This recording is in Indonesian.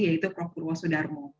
yaitu prof wosudarmo